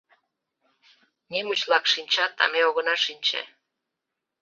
- Немыч-влак шинчат, а ме огына шинче.